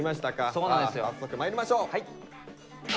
さあ早速まいりましょう。